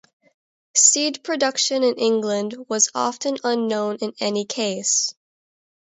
Seed production in England was often unknown in any case.